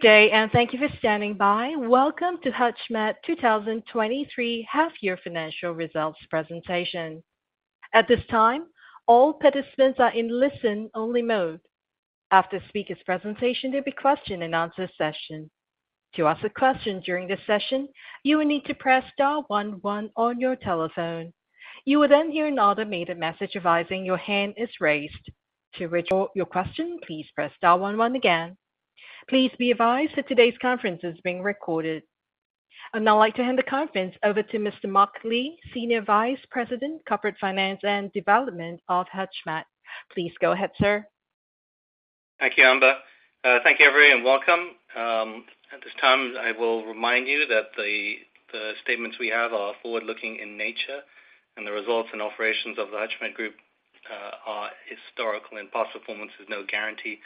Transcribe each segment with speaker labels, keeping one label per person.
Speaker 1: Good day, and thank you for standing by. Welcome to HUTCHMED 2023 half-year financial results presentation. At this time, all participants are in listen-only mode. After the speaker's presentation, there'll be question and answer session. To ask a question during this session, you will need to press star one one on your telephone. You will then hear an automated message advising your hand is raised. To withdraw your question, please press star one one again. Please be advised that today's conference is being recorded. I'd now like to hand the conference over to Mr. Mark Lee, Senior Vice President, Corporate Finance and Development of HUTCHMED. Please go ahead, sir.
Speaker 2: Thank you, Amber. Thank you, everyone, and welcome. At this time, I will remind you that the statements we have are forward-looking in nature, and the results and operations of the HUTCHMED Group are historical, and past performance is no guarantee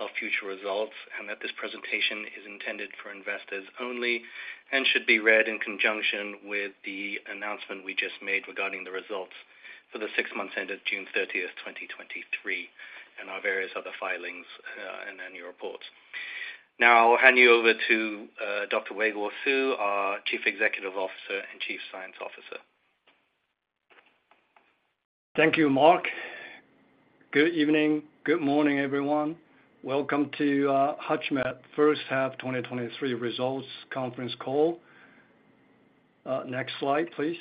Speaker 2: of future results. That this presentation is intended for investors only and should be read in conjunction with the announcement we just made regarding the results for the six months ended June 30th, 2023, and our various other filings and annual reports. Now, I'll hand you over to Dr. Weiguo Su, our Chief Executive Officer and Chief Scientific Officer.
Speaker 3: Thank you, Mark. Good evening. Good morning, everyone. Welcome to HUTCHMED first half 2023 results conference call. Next slide, please.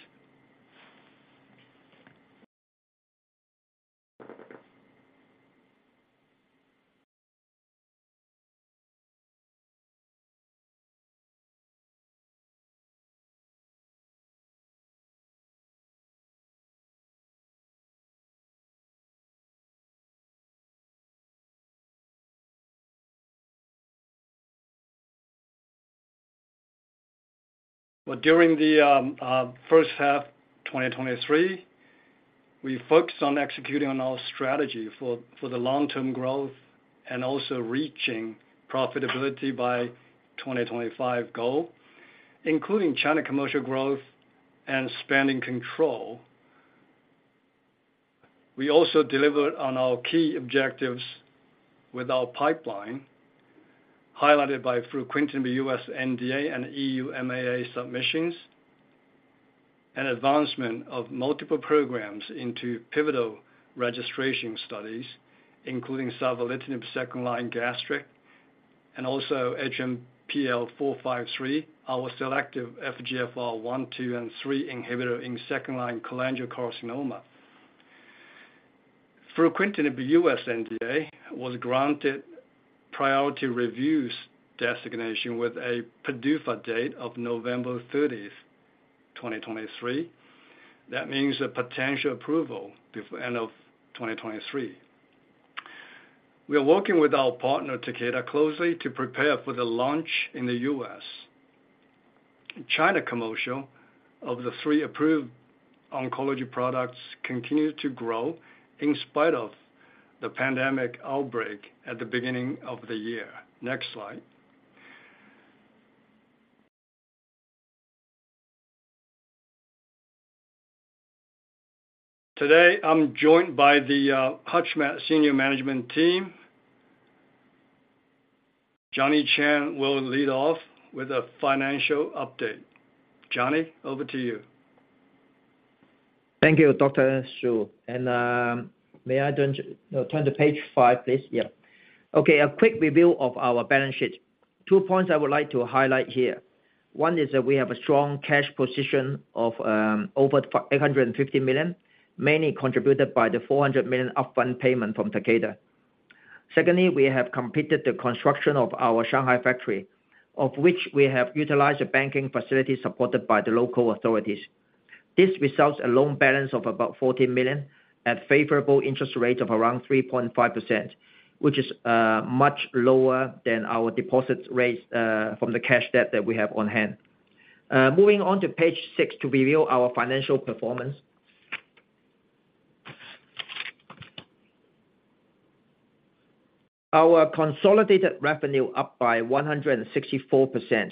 Speaker 3: Well, during the first half 2023, we focused on executing on our strategy for, for the long-term growth and also reaching profitability by 2025 goal, including China commercial growth and spending control. We also delivered on our key objectives with our pipeline, highlighted by fruquintinib US NDA and EU MAA submissions, and advancement of multiple programs into pivotal registration studies, including savolitinib second-line gastric, and also HMPL-453, our selective FGFR 1, 2, and 3 inhibitor in second-line cholangiocarcinoma. Fruquintinib US NDA was granted priority reviews designation with a PDUFA date of November 30th, 2023. That means a potential approval before end of 2023. We are working with our partner, Takeda, closely to prepare for the launch in the U.S. China commercial of the three approved oncology products continued to grow in spite of the pandemic outbreak at the beginning of the year. Next slide. Today, I'm joined by the HUTCHMED senior management team. Johnny Cheng will lead off with a financial update. Johnny, over to you.
Speaker 4: Thank you, Dr. Su. May I turn, turn to page five, please? Yeah. Okay, a quick review of our balance sheet. Two points I would like to highlight here. One is that we have a strong cash position of over $850 million, mainly contributed by the $400 million upfront payment from Takeda. Secondly, we have completed the construction of our Shanghai factory, of which we have utilized a banking facility supported by the local authorities. This results a loan balance of about $14 million at favorable interest rate of around 3.5%, which is much lower than our deposits rates from the cash debt that we have on hand. Moving on to page six to review our financial performance. Our consolidated revenue up by 164%,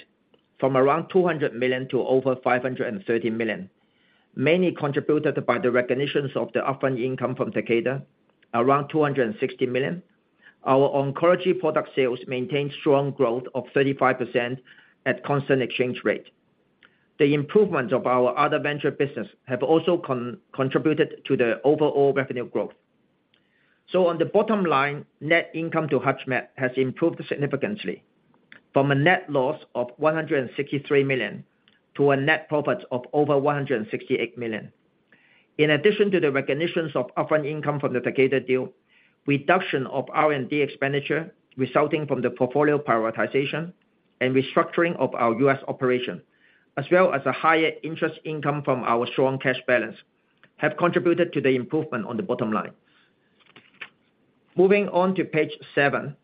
Speaker 4: from around $200 million to over $530 million, mainly contributed by the recognitions of the upfront income from Takeda, around $260 million. Our oncology product sales maintained strong growth of 35% at constant exchange rate. The improvements of our other venture business have also contributed to the overall revenue growth. On the bottom line, net income to HUTCHMED has improved significantly from a net loss of $163 million to a net profit of over $168 million. In addition to the recognitions of upfront income from the Takeda deal, reduction of R&D expenditure resulting from the portfolio prioritization and restructuring of our U.S. operation, as well as a higher interest income from our strong cash balance, have contributed to the improvement on the bottom line. Moving on to page seven.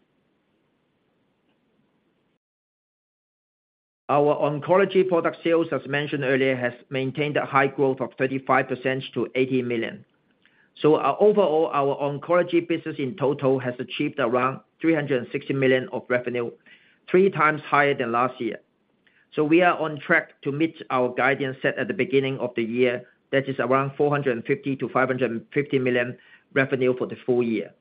Speaker 4: Our oncology product sales, as mentioned earlier, has maintained a high growth of 35% to $80 million. Our overall, our oncology business in total has achieved around $360 million of revenue, three times higher than last year. We are on track to meet our guidance set at the beginning of the year, that is around $450 million-$550 million revenue for the full year.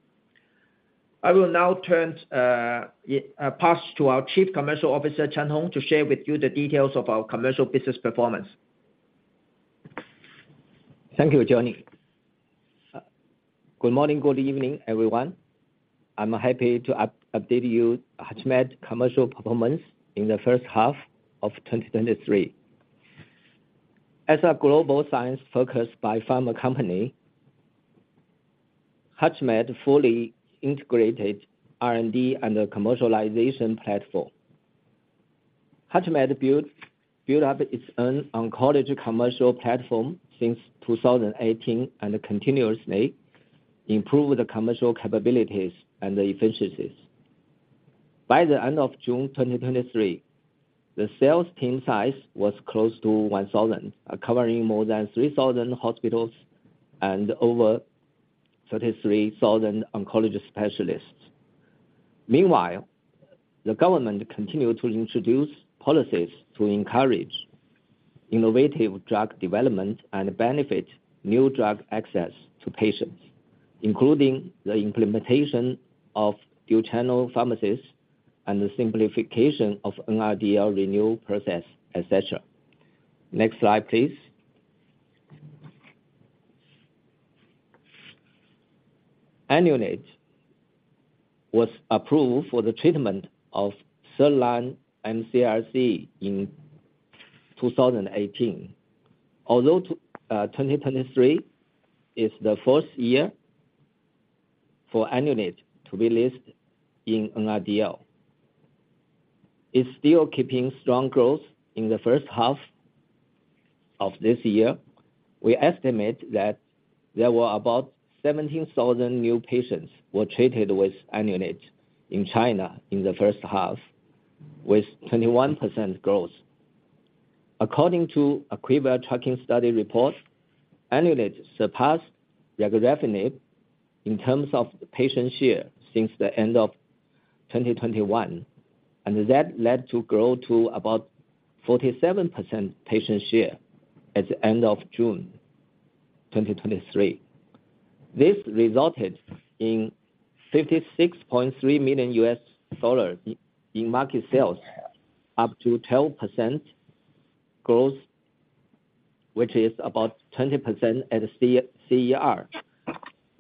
Speaker 4: I will now turn, pass to our Chief Commercial Officer, Chen Hong, to share with you the details of our commercial business performance.
Speaker 5: Thank you, Johnny. Good morning, good evening, everyone. I'm happy to update you HUTCHMED's commercial performance in the first half of 2023. As a global science-focused biopharma company, HUTCHMED fully integrated R&D and the commercialization platform. HUTCHMED build up its own oncology commercial platform since 2018 and continuously improve the commercial capabilities and the efficiencies. By the end of June 2023, the sales team size was close to 1,000, covering more than 3,000 hospitals and over 33,000 oncologist specialists. Meanwhile, the government continued to introduce policies to encourage innovative drug development and benefit new drug access to patients, including the implementation of dual-channel pharmacies and the simplification of NRDL renewal process, et cetera. Next slide, please. Elunate was approved for the treatment of third line mCRC in 2018. Although 2023 is the first year for Elunate to be listed in NRDL, it's still keeping strong growth in the first half of this year. We estimate that there were about 17,000 new patients were treated with Elunate in China in the first half, with 21% growth. According to IQVIA tracking study report, Elunate surpassed regorafenib in terms of patient share since the end of 2021, and that led to growth to about 47% patient share at the end of June 2023. This resulted in $56.3 million in, in market sales, up to 12% growth, which is about 20% at CER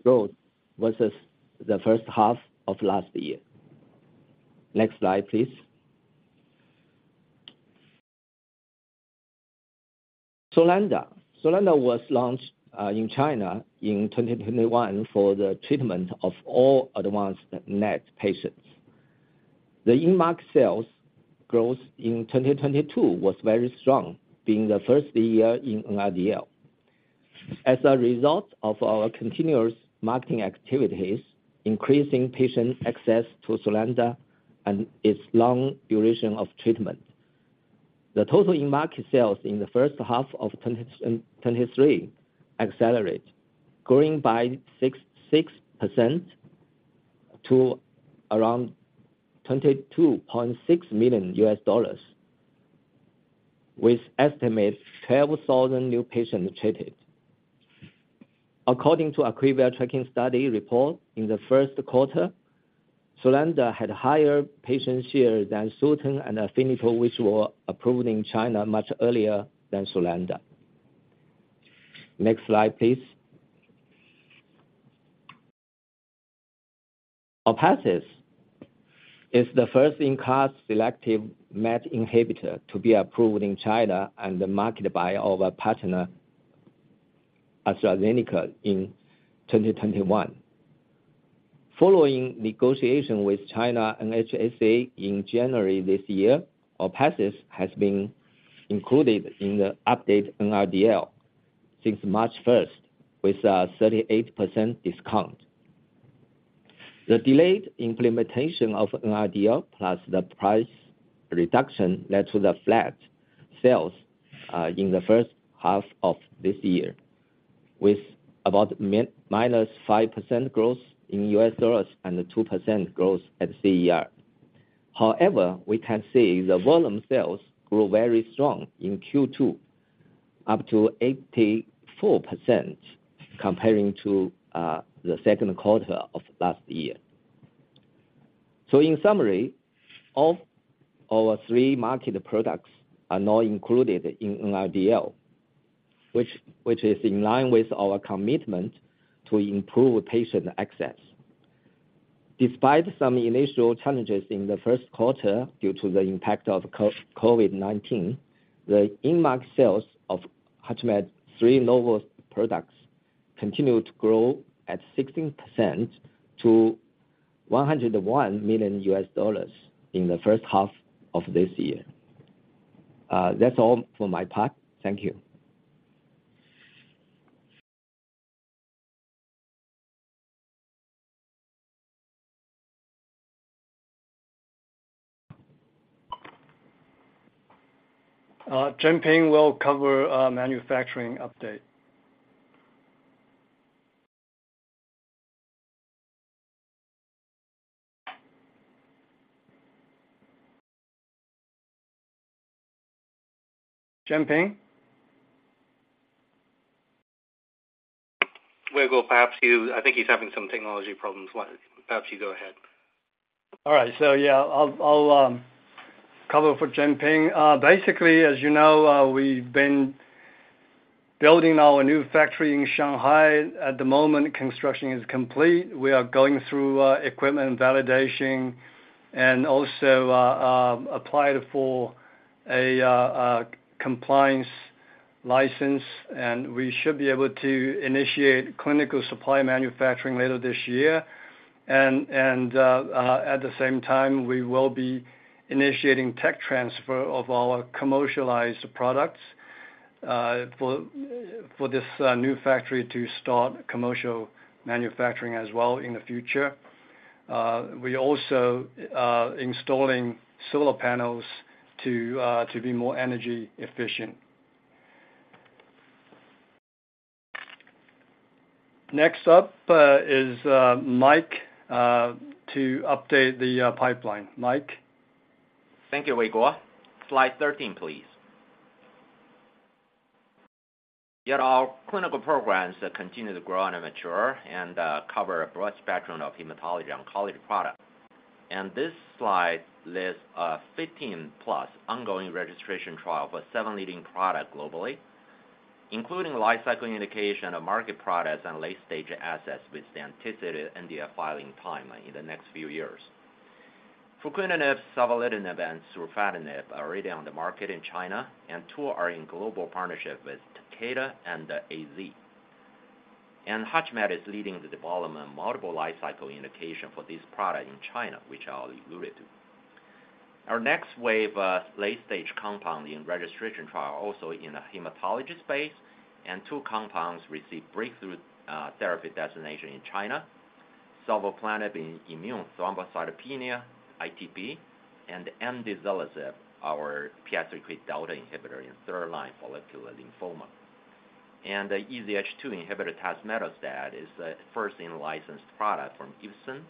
Speaker 5: growth versus the first half of last year. Next slide, please. Sulanda. Sulanda was launched in China in 2021 for the treatment of all advanced NET patients. The in-market sales growth in 2022 was very strong, being the first year in NRDL. As a result of our continuous marketing activities, increasing patient access to Sulanda and its long duration of treatment, the total in-market sales in the first half of 2023 accelerate, growing by 66% to around $22.6 million, with estimate 12,000 new patients treated. According to IQVIA tracking study report, in the first quarter, Sulanda had higher patient share than Sutent and Afinitor, which were approved in China much earlier than Sulanda. Next slide, please. Orpathys is the first-in-class selective MET inhibitor to be approved in China and marketed by our partner AstraZeneca in 2021. Following negotiation with China NHSA in January this year, Orpathys has been included in the updated NRDL since March first, with a 38% discount. The delayed implementation of NRDL, plus the price reduction, led to the flat sales in the first half of this year, with about -5% growth in U.S. dollars and 2% growth at CER. We can see the volume sales grew very strong in Q2, up to 84% comparing to the second quarter of last year. In summary, all our three market products are now included in NRDL, which is in line with our commitment to improve patient access. Despite some initial challenges in the first quarter due to the impact of COVID-19, the in-market sales of HUTCHMED's three novel products continued to grow at 16% to $101 million in the first half of this year. That's all for my part. Thank you.
Speaker 3: Zhenping Wu will cover manufacturing update. Zhenping?
Speaker 2: Weiguo, perhaps you-- I think he's having some technology problems. Why don't, perhaps you go ahead.
Speaker 3: All right. Yeah, I'll, I'll cover for Zhenping. Basically, as you know, we've been building our new factory in Shanghai. At the moment, construction is complete. We are going through equipment validation and also applied for a compliance license, and we should be able to initiate clinical supply manufacturing later this year. At the same time, we will be initiating tech transfer of our commercialized products for this new factory to start commercial manufacturing as well in the future. We're also installing solar panels to be more energy efficient. Next up is Mike to update the pipeline. Mike?
Speaker 6: Thank you, Weiguo. Slide 13, please. Our clinical programs continue to grow and mature and cover a broad spectrum of hematology oncology product. This slide lists 15+ ongoing registration trial for seven leading product globally, including lifecycle indication of market products and late-stage assets with the anticipated NDA filing timeline in the next few years. Fruquintinib, savolitinib, and surufatinib are already on the market in China, two are in global partnership with Takeda and the AZ. HUTCHMED is leading the development of multiple lifecycle indication for this product in China, which I already alluded to. Our next wave of late-stage compounding registration trial, also in the hematology space, two compounds received breakthrough therapy designation in China. Sovleplenib in immune thrombocytopenia, ITP, amdizalisib, our PI3K delta inhibitor in third-line follicular lymphoma. The EZH2 inhibitor tazemetostat is the first in-licensed product from Eisai,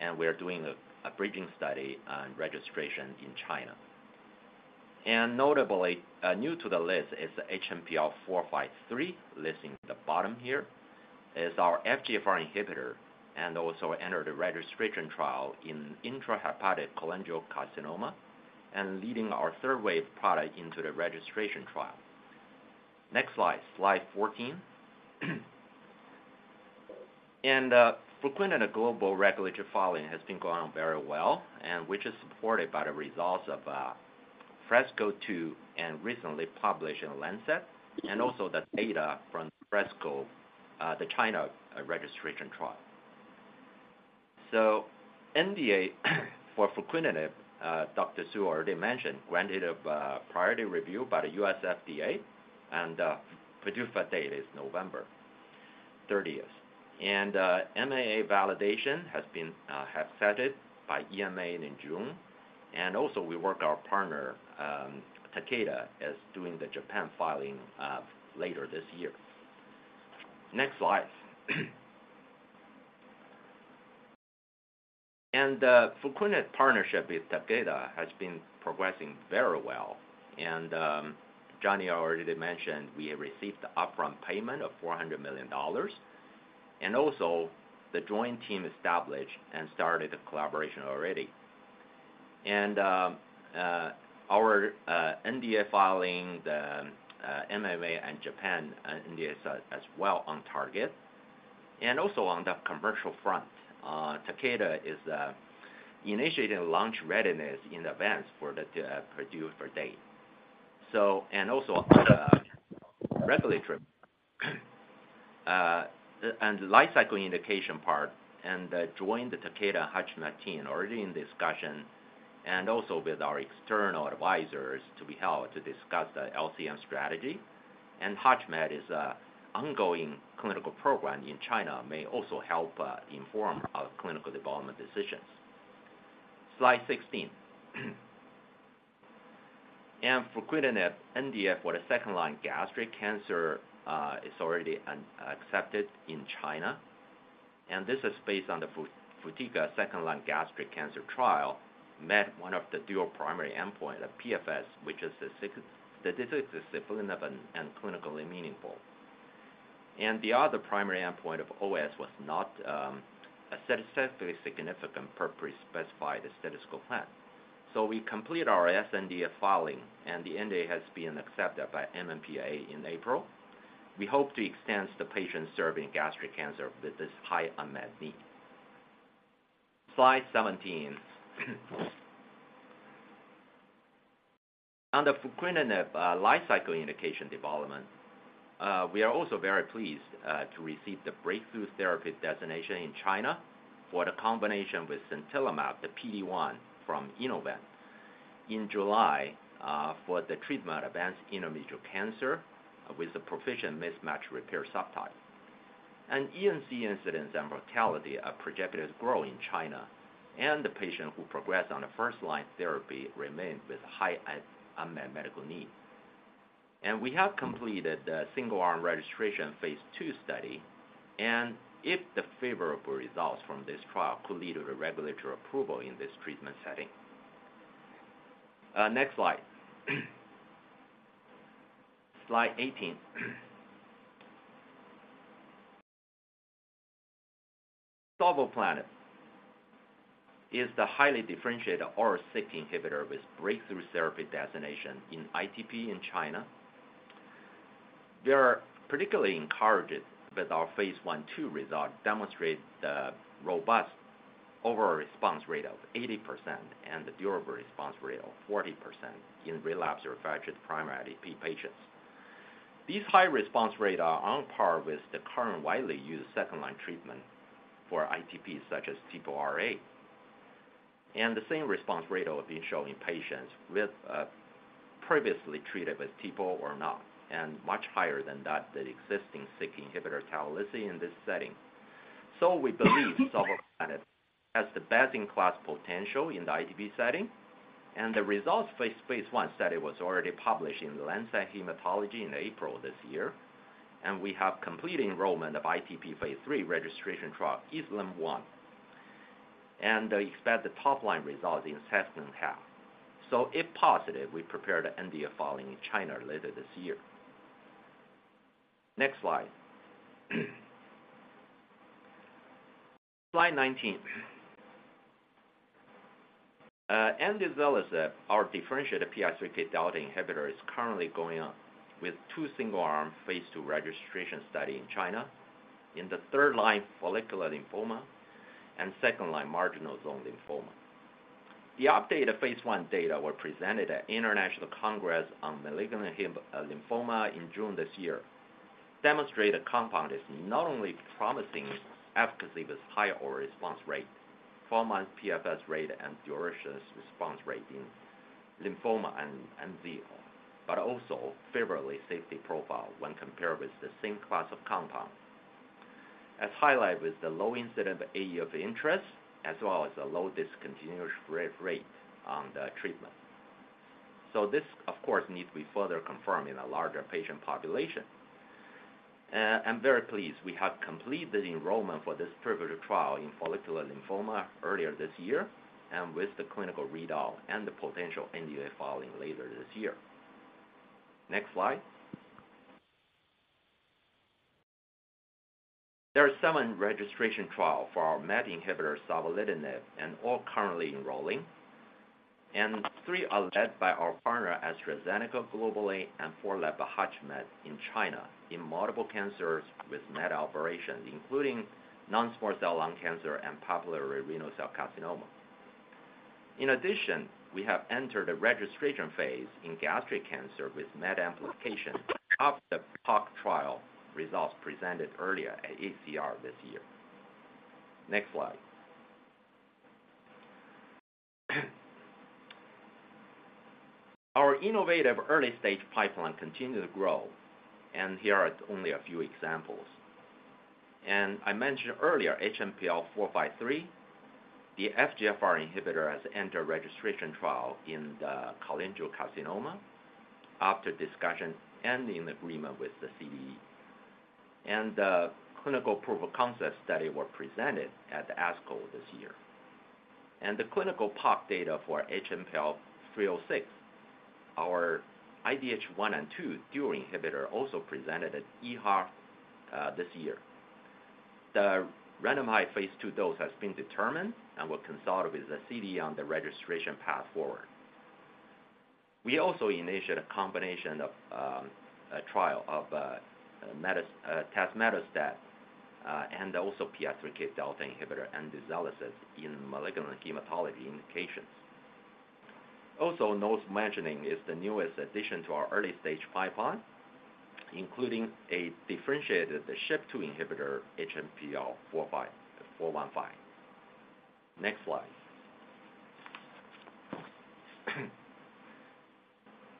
Speaker 6: and we are doing a bridging study on registration in China. Notably, new to the list is the HMPL-453, listed in the bottom here, is our FGFR inhibitor and also entered a registration trial in intrahepatic cholangiocarcinoma and leading our third wave product into the registration trial. Next slide, slide 14. Fruquintinib global regulatory filing has been going on very well, which is supported by the results of FRESCO-2 and recently published in The Lancet, and also the data from FRESCO, the China registration trial. NDA for fruquintinib, Dr. Su already mentioned, granted a priority review by the U.S. FDA, PDUFA date is November 30th. MAA validation has been accepted by EMA in June, also we work our partner, Takeda, is doing the Japan filing later this year. Next slide. Fruquintinib partnership with Takeda has been progressing very well. Johnny already mentioned we have received the upfront payment of $400 million, and also the joint team established and started the collaboration already. Our NDA filing, the MAA and Japan NDA as well on target. On the commercial front, Takeda is initiating launch readiness in advance for the PDUFA date. On the regulatory and lifecycle indication part, joined the Takeda HUTCHMED team already in discussion and also with our external advisors to be held to discuss the LCM strategy. HUTCHMED is a ongoing clinical program in China may also help inform our clinical development decisions. Slide 16. Fruquintinib NDA for the second-line gastric cancer is already accepted in China, this is based on the FRUTIGA second-line gastric cancer trial, met one of the dual primary endpoint, the PFS, which is statistically significant and clinically meaningful. The other primary endpoint of OS was not a statistically significant per pre-specified statistical plan. We complete our sNDA filing, and the NDA has been accepted by NMPA in April. We hope to extend the patient serving gastric cancer with this high unmet need. Slide 17. On the fruquintinib lifecycle indication development, we are also very pleased to receive the breakthrough therapy designation in China for the combination with sintilimab, the PD-1 from Innovent, in July, for the treatment advanced endometrial cancer with the proficient mismatch repair subtype. ENC incidence and mortality are projected to grow in China, and the patient who progress on a first-line therapy remains with high unmet medical needs. We have completed the single-arm registration phase II study, and if the favorable results from this trial could lead to the regulatory approval in this treatment setting. Next slide. Slide 18. Sovleplenib is the highly differentiated oral Syk inhibitor with breakthrough therapy designation in ITP in China. We are particularly encouraged with our phase I/II result, demonstrate the robust overall response rate of 80% and the durable response rate of 40% in relapsed or refractory primary ITP patients. These high response rate are on par with the current widely used second-line treatment for ITP, such as TPO-RA. The same response rate have been shown in patients with previously treated with TPO or not, and much higher than that the existing Syk inhibitor, Tavalisse, in this setting. We believe sovleplenib has the best-in-class potential in the ITP setting, and the results for Phase I study was already published in The Lancet Haematology in April this year. We have complete enrollment of phase III registration trial, ESLIM-01, and I expect the top-line results in the second half. If positive, we prepare the NDA filing in China later this year. Next slide. Slide 19. Amdizalisib, our differentiated PI3K delta inhibitor, is currently going on with two single-arm phase II registration study in China in the third-line follicular lymphoma and second-line marginal zone lymphoma. The updated phase I data were presented at International Congress on Malignant Lymphoma in June this year, demonstrate the compound is not only promising efficacy with high overall response rate, four-month PFS rate, and duration response rate in lymphoma and MZ, but also favorably safety profile when compared with the same class of compound. As highlighted with the low incidence AE of interest, as well as a low discontinuation rate on the treatment. This, of course, needs to be further confirmed in a larger patient population. I'm very pleased we have completed enrollment for this pivotal trial in follicular lymphoma earlier this year, and with the clinical readout and the potential NDA filing later this year. Next slide. There are seven registration trial for our MET inhibitor, savolitinib, and all currently enrolling. Three are led by our partner, AstraZeneca, globally and four led by HUTCHMED in China, in multiple cancers with MET amplification, including non-small cell lung cancer and papillary renal cell carcinoma. In addition, we have entered a registration phase in gastric cancer with MET amplification of the POCH trial results presented earlier at AACR this year. Next slide. Our innovative early-stage pipeline continues to grow, and here are only a few examples. I mentioned earlier, HMPL-453, the FGFR inhibitor, has entered registration trial in the cholangiocarcinoma after discussion and in agreement with the CDE. The clinical proof of concept study were presented at the ASCO this year. The clinical POCH data for HMPL-306, our IDH 1 and 2 dual inhibitor, also presented at EHA this year. The randomized phase II dose has been determined and will consult with the CDE on the registration path forward. We also initiated a combination of a trial of tazemetostat and also PI3K delta inhibitor, amdizalisib, in malignant hematology indications. Also, note mentioning is the newest addition to our early-stage pipeline, including a differentiated SHP2 inhibitor, HMPL-415. Next slide.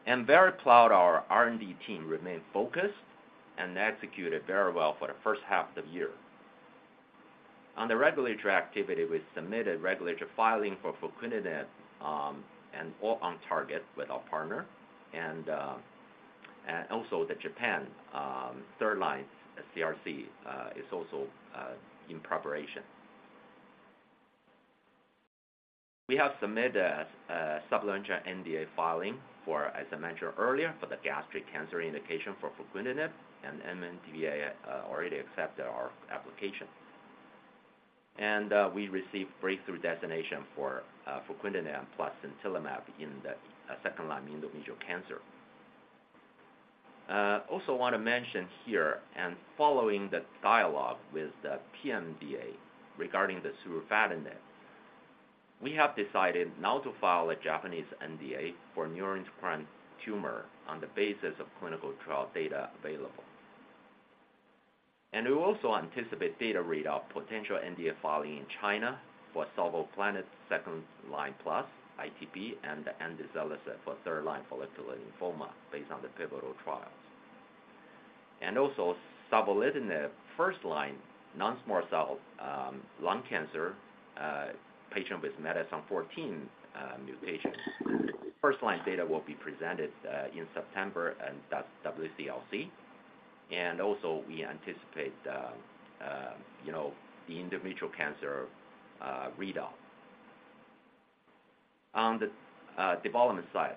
Speaker 6: I'm very proud our R&D team remained focused and executed very well for the first half of the year. On the regulatory activity, we submitted regulatory filing for fruquintinib, and all on target with our partner, also the Japan, third-line CRC, is also in preparation. We have submitted a supplemental NDA filing for, as I mentioned earlier, for the gastric cancer indication for fruquintinib, MNDA already accepted our application. We received breakthrough designation for fruquintinib plus sintilimab in the second-line endometrial cancer. Also want to mention here, following the dialogue with the PMDA regarding the surufatinib, we have decided not to file a Japanese NDA for neuroendocrine tumor on the basis of clinical trial data available. We also anticipate data readout, potential NDA filing in China for sovleplenib second-line plus ITP and amdizalisib for third-line follicular lymphoma based on the pivotal trial.... Savolitinib first-line non-small cell lung cancer patient with METex14 mutation. First-line data will be presented in September, and that's WCLC. We anticipate the, you know, the individual cancer readout. On the development side,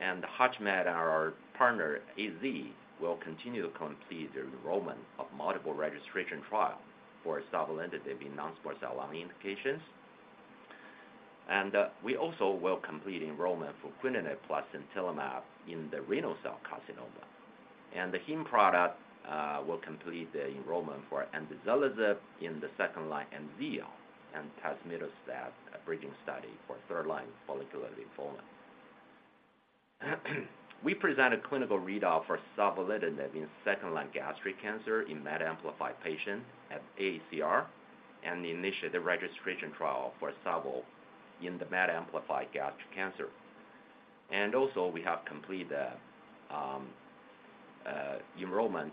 Speaker 6: HUTCHMED and our partner, AZ, will continue to complete the enrollment of multiple registration trial for savolitinib in non-small cell lung indications. We also will complete enrollment for fruquintinib plus sintilimab in the renal cell carcinoma. The Heme product will complete the enrollment for amdizalisib in the second line, and MZL and tazemetostat, a bridging study for third line follicular lymphoma. We presented clinical readout for savolitinib in second-line gastric cancer in MET amplified patient at AACR, and initiated the registration trial for savol in the MET amplified gastric cancer. Also, we have completed the enrollment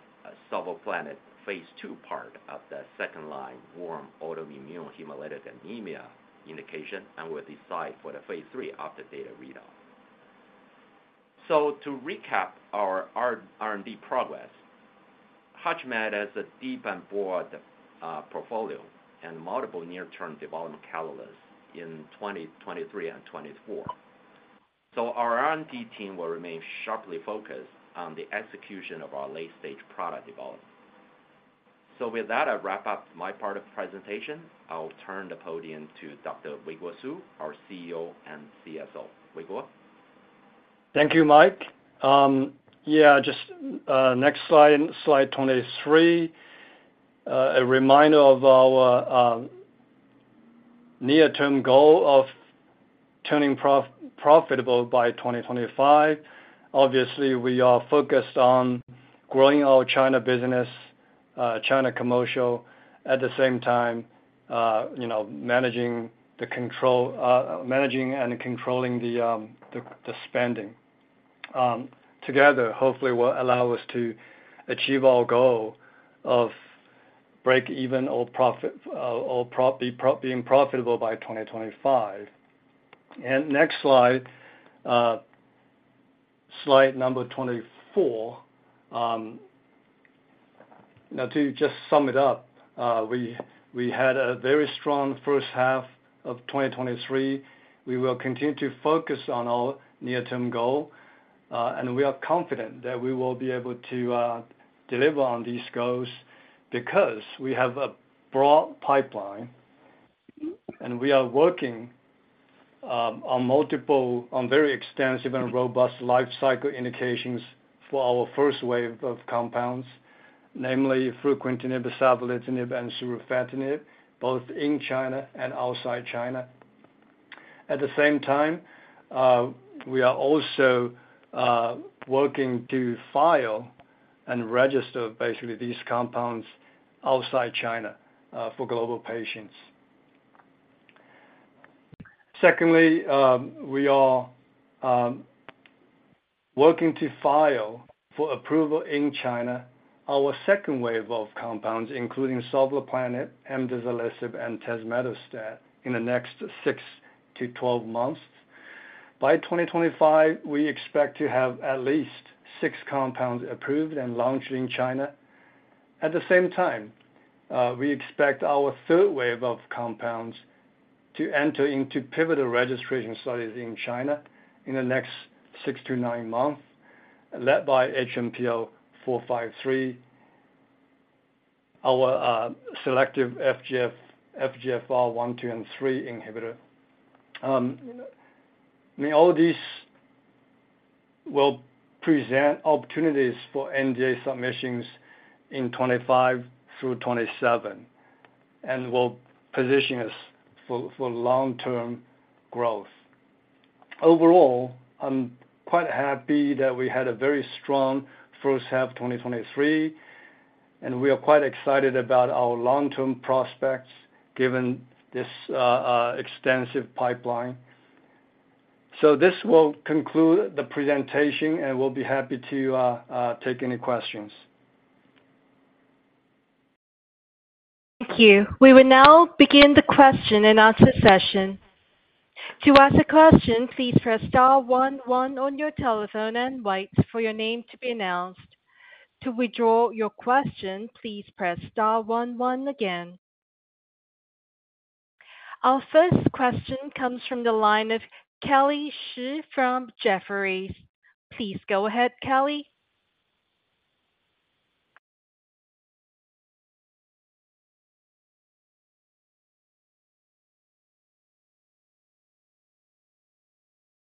Speaker 6: phase II part of the second line warm autoimmune hemolytic anemia indication, and will decide for phase III of the data readout. To recap our R&D progress, HUTCHMED has a deep and broad portfolio and multiple near-term development catalysts in 2023 and 2024. Our R&D team will remain sharply focused on the execution of our late-stage product development. With that, I wrap up my part of the presentation. I will turn the podium to Dr. Weiguo Su, our CEO and CSO. Weiguo?
Speaker 3: Thank you, Mike. Yeah, just next slide, slide 23. A reminder of our near-term goal of turning profitable by 2025. Obviously, we are focused on growing our China business, China commercial, at the same time, you know, managing the control, managing and controlling the spending. Together, hopefully, will allow us to achieve our goal of break even or profit, or being profitable by 2025. Next slide, slide number 24. Now to just sum it up, we had a very strong first half of 2023. We will continue to focus on our near-term goal, and we are confident that we will be able to deliver on these goals because we have a broad pipeline, and we are working on multiple, on very extensive and robust life cycle indications for our first wave of compounds, namely fruquintinib, savolitinib, and surufatinib, both in China and outside China. At the same time, we are also working to file and register, basically, these compounds outside China, for global patients. Secondly, we are working to file for approval in China, our second wave of compounds, including sovleplenib, amdizalisib, and tazemetostat, in the next six to 12 months. By 2025, we expect to have at least six compounds approved and launched in China. At the same time, we expect our third wave of compounds to enter into pivotal registration studies in China in the next six to nine months, led by HMPL-453, our selective FGF, FGFR 1, 2, and 3 inhibitor. I mean, all these will present opportunities for NDA submissions in 2025 through 2027 and will position us for, for long-term growth. Overall, I'm quite happy that we had a very strong first half of 2023, and we are quite excited about our long-term prospects, given this extensive pipeline. This will conclude the presentation, and we'll be happy to take any questions.
Speaker 1: Thank you. We will now begin the question and answer session. To ask a question, please press star one one on your telephone and wait for your name to be announced. To withdraw your question, please press star one one again. Our first question comes from the line of Kelly Shi from Jefferies. Please go ahead, Kelly.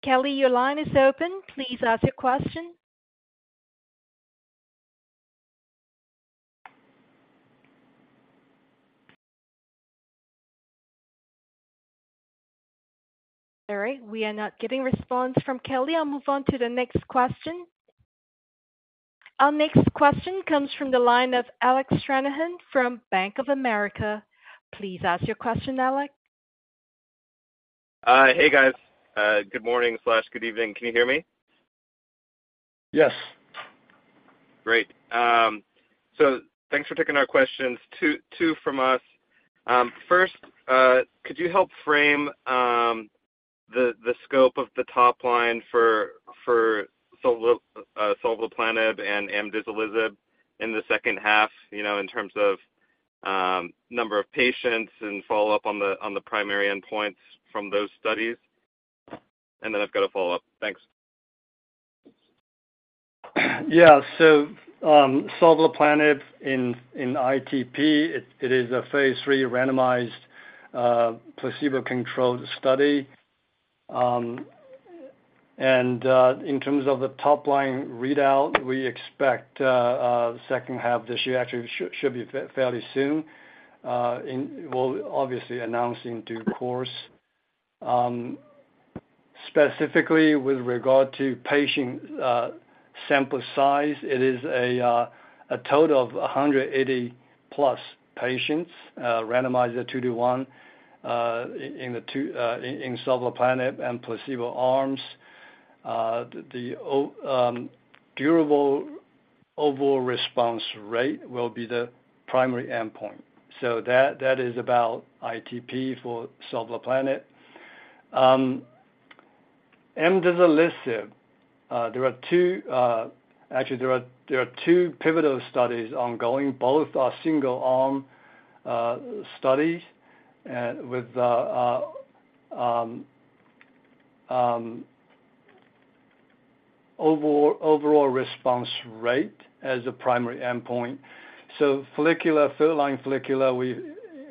Speaker 1: Kelly, your line is open. Please ask your question. Sorry, we are not getting response from Kelly. I'll move on to the next question. Our next question comes from the line of Alec Stranahan from Bank of America. Please ask your question, Alec.
Speaker 7: Hey, guys. good morning slash good evening. Can you hear me?
Speaker 3: Yes.
Speaker 7: Great. Thanks for taking our questions. Two, two from us. First, could you help frame, the, the scope of the top line for, for sovleplenib, sovleplenib and amdizalisib in the second half, you know, in terms of, number of patients and follow-up on the, on the primary endpoints from those studies? Then I've got a follow-up. Thanks.
Speaker 3: Yeah. sovleplenib in ITP, it is phase III randomized, placebo-controlled study. In terms of the top-line readout, we expect second half this year, actually, should be fairly soon. We'll obviously announce in due course. Specifically, with regard to patient sample size, it is a total of 180+ patients, randomized 2 to 1, in the 2, in sovleplenib and placebo arms. The durable overall response rate will be the primary endpoint. That, that is about ITP for sovleplenib. Amdizalisib, there are two, actually, there are two pivotal studies ongoing. Both are single-arm studies and with overall response rate as the primary endpoint. follicular, third-line follicular, we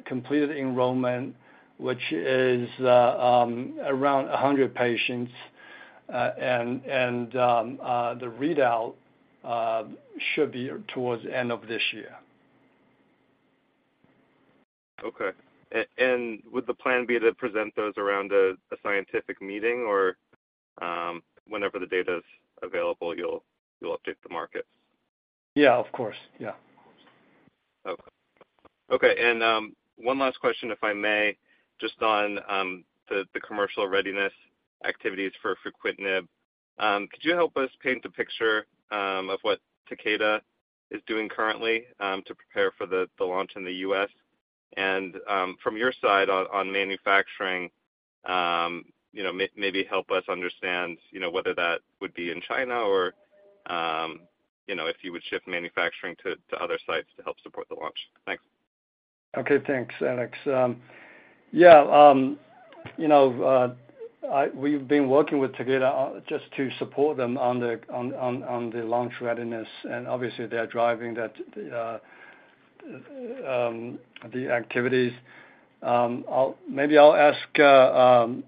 Speaker 3: completed enrollment, which is, around 100 patients. The readout should be towards the end of this year.
Speaker 7: Okay. Would the plan be to present those around a, a scientific meeting or, whenever the data is available, you'll, you'll update the market?
Speaker 3: Yeah, of course. Yeah.
Speaker 7: Okay. Okay, one last question, if I may, just on the commercial readiness activities for fruquintinib. Could you help us paint the picture of what Takeda is doing currently to prepare for the launch in the U.S.? From your side on manufacturing, you know, maybe help us understand, you know, whether that would be in China or, you know, if you would shift manufacturing to other sites to help support the launch. Thanks.
Speaker 3: Okay, thanks, Alec. You know, we've been working with Takeda just to support them on the, on, on, on the launch readiness, and obviously, they are driving that the activities. Maybe I'll ask Karen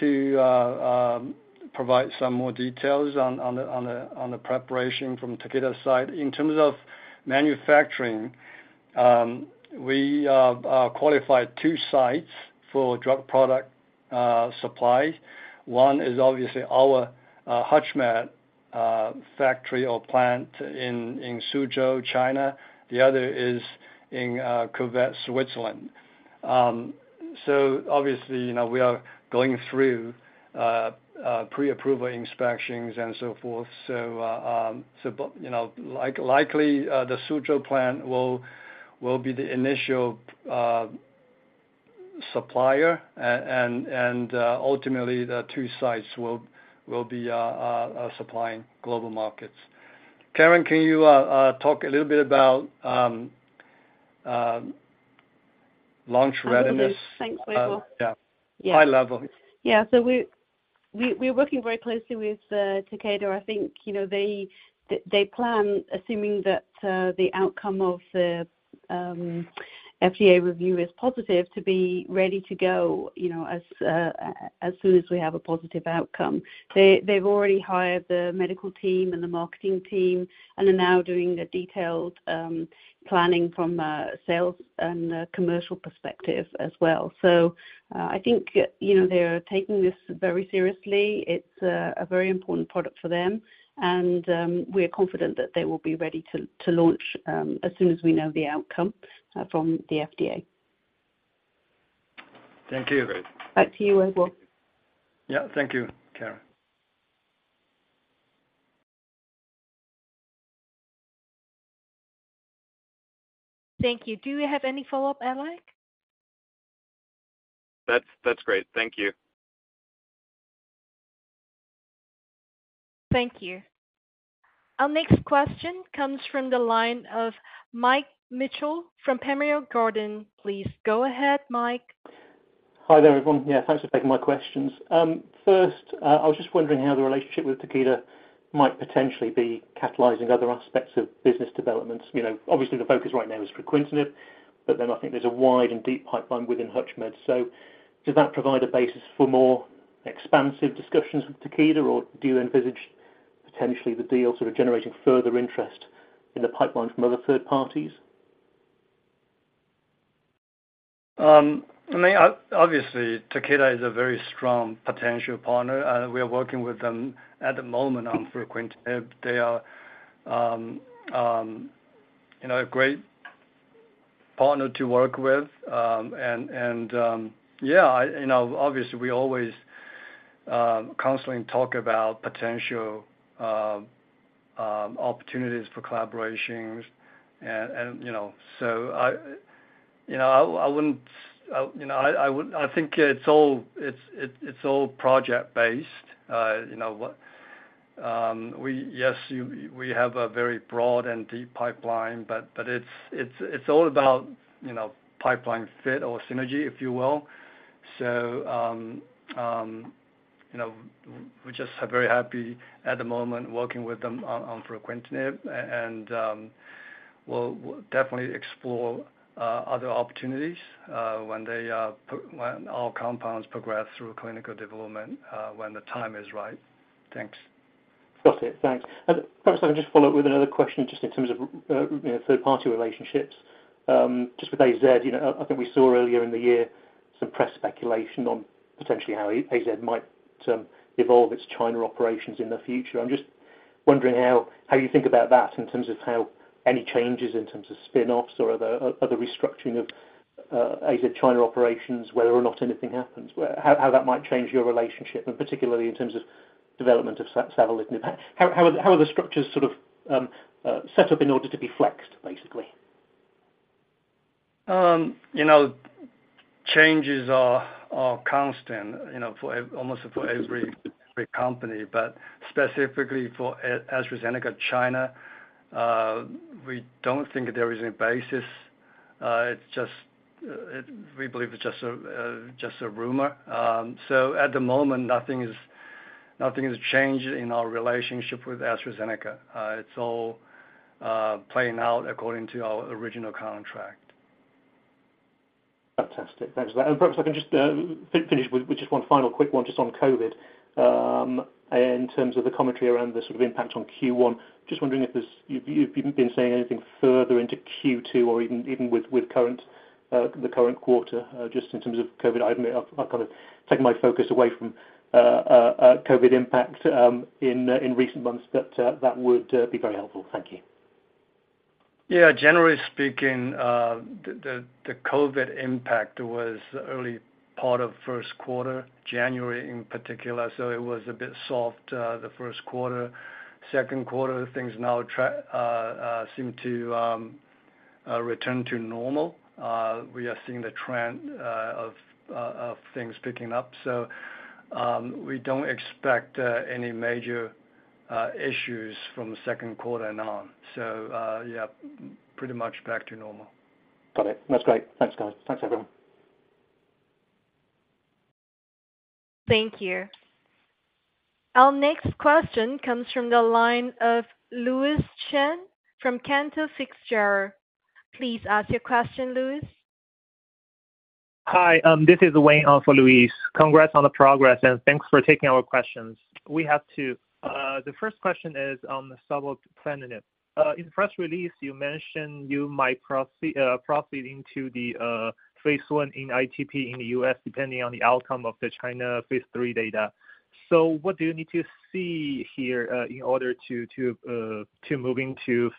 Speaker 3: to provide some more details on, on the, on the, on the preparation from Takeda's side. In terms of manufacturing, we qualified two sites for drug product supply. One is obviously our HUTCHMED factory or plant in, in Suzhou, China. The other is in Switzerland, Switzerland. Obviously, you know, we are going through pre-approval inspections and so forth. You know, likely, the Suzhou plant will, will be the initial, supplier, ultimately, the two sites will, will be supplying global markets. Karen, can you talk a little bit about launch readiness?
Speaker 8: I will. Thanks, Weiguo.
Speaker 3: Yeah.
Speaker 8: Yeah.
Speaker 3: High level.
Speaker 8: We, we, we're working very closely with Takeda. I think, you know, they, they, they plan, assuming that the outcome of the FDA review is positive, to be ready to go, you know, as soon as we have a positive outcome. They, they've already hired the medical team and the marketing team and are now doing the detailed planning from a sales and a commercial perspective as well. I think, you know, they are taking this very seriously. It's a very important product for them, and we are confident that they will be ready to launch as soon as we know the outcome from the FDA.
Speaker 3: Thank you.
Speaker 8: Back to you, Weiguo.
Speaker 3: Yeah. Thank you, Karen.
Speaker 1: Thank you. Do you have any follow-up, Alec?
Speaker 7: That's, that's great. Thank you.
Speaker 1: Thank you. Our next question comes from the line of Mike Mitchell from Panmure Gordon. Please go ahead, Mike.
Speaker 9: Hi there, everyone. Yeah, thanks for taking my questions. First, I was just wondering how the relationship with Takeda might potentially be catalyzing other aspects of business developments. You know, obviously, the focus right now is fruquintinib, but then I think there's a wide and deep pipeline within HUTCHMED. Does that provide a basis for more expansive discussions with Takeda, or do you envisage potentially the deal sort of generating further interest in the pipeline from other third parties?
Speaker 3: I mean, obviously, Takeda is a very strong potential partner, and we are working with them at the moment on fruquintinib. They are, you know, a great partner to work with. Yeah, I, you know, obviously, we always constantly talk about potential opportunities for collaborations. I, you know, I, I wouldn't, you know, I, I think it's all, it's, it, it's all project-based. You know, what, yes, we have a very broad and deep pipeline, but, but it's, it's, it's all about, you know, pipeline fit or synergy, if you will. You know, we just are very happy at the moment working with them on, on fruquintinib, and we'll, we'll definitely explore other opportunities when they when our compounds progress through clinical development when the time is right. Thanks.
Speaker 9: Got it. Thanks. Perhaps I can just follow up with another question, just in terms of, you know, third-party relationships. Just with AZ, you know, I, I think we saw earlier in the year some press speculation on potentially how A- AZ might evolve its China operations in the future. I'm just wondering how, how you think about that in terms of how any changes in terms of spin-offs or other, other restructuring of AZ China operations, whether or not anything happens, where- how, how that might change your relationship, and particularly in terms of development of savolitinib. How, how are, how are the structures sort of set up in order to be flexed, basically?
Speaker 3: You know, changes are, are constant, you know, for almost for every, every company. Specifically for AstraZeneca China, we don't think there is any basis. It's just, we believe it's just a, just a rumor. At the moment, nothing is, nothing has changed in our relationship with AstraZeneca. It's all, playing out according to our original contract.
Speaker 9: Fantastic. Thanks for that. Perhaps I can just finish with just one final quick one, just on COVID. In terms of the commentary around the sort of impact on Q1, just wondering if there's you've, you've been saying anything further into Q2 or even, even with current the current quarter, just in terms of COVID. I admit I've, I've kind of taken my focus away from COVID impact in recent months, but that would be very helpful. Thank you.
Speaker 3: Yeah, generally speaking, the COVID impact was early part of first quarter, January in particular, so it was a bit soft, the first quarter. Second quarter, things now seem to return to normal. We are seeing the trend of things picking up. We don't expect any major issues from second quarter and on. Yeah, pretty much back to normal.
Speaker 9: Got it. That's great. Thanks, guys. Thanks, everyone.
Speaker 1: Thank you. Our next question comes from the line of Louise Chen from Cantor Fitzgerald. Please ask your question, Louise.
Speaker 10: Hi, this is Wayne, on for Louise. Congrats on the progress, and thanks for taking our questions. We have two. The first question is on the savolitinib. In press release, you mentioned you might proceed into the phase I in ITP in the U.S., depending on the outcome of the phase III data. What do you need to see here in order to move into